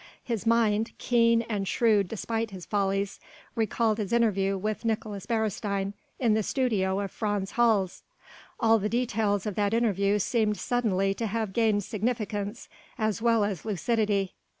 His mind keen and shrewd despite his follies recalled his interview with Nicolaes Beresteyn in the studio of Frans Hals; all the details of that interview seemed suddenly to have gained significance as well as lucidity.